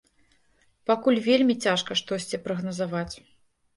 Пакуль вельмі цяжка штосьці прагназаваць.